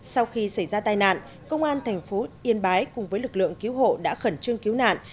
sau khi xảy ra tai nạn công an thành phố yên bái cùng với lực lượng cứu hộ đã khẩn trương cứu nạn